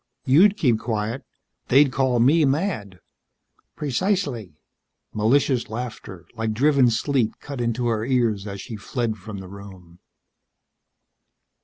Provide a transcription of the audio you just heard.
You'd keep quiet. They'd call me mad." "Precisely." Malicious laughter, like driven sleet, cut into her ears as she fled from the room.